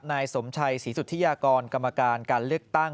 นายสมชัยศรีสุธิยากรกรรมการการเลือกตั้ง